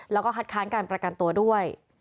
และคัดทุกขั้นการประกันตัวด้วย